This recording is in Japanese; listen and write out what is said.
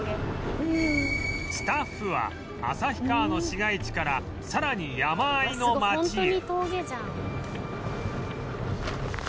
スタッフは旭川の市街地からさらに山あいの町へ